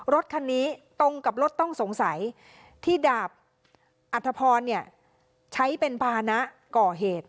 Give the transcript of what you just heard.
รถคันนี้ตรงกับรถต้องสงสัยที่ดาบอัธพรใช้เป็นภานะก่อเหตุ